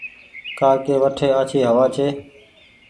ڪآ ڪي وٺي آڇي هوآ ڇي ۔